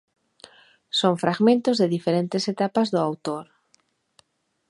Son fragmentos de diferentes etapas do autor.